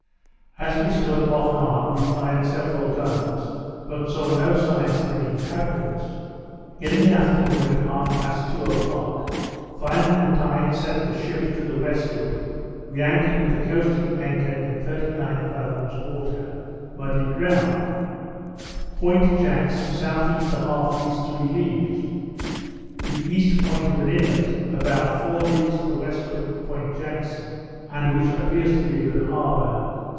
As we stood off and on, we fired several guns, but saw no signs of any inhabitants. In the afternoon, at half past two, o'clock, finding the tide set the ship to the westward, we anchored with the coasting anchor in thirty nine fathoms water, muddy ground; Point Jackson S.E. 1/2 E. three leagues; the east point of an inlet (about four leagues to the westward of Point Jackson, and which appears to be a good harbour) S.W.